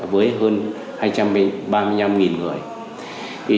với hơn hai trăm ba mươi năm người